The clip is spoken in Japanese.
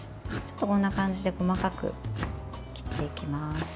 こんな感じで細かく切っていきます。